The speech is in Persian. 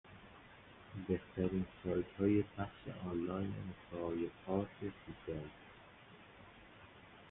بهترین سایتهای پخش آنلاین مسایقات فوتبال